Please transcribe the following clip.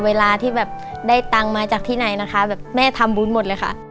เวลาที่แบบได้ตังค์มาจากที่ไหนนะคะแบบแม่ทำบุญหมดเลยค่ะ